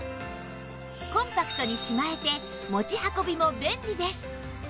コンパクトにしまえて持ち運びも便利です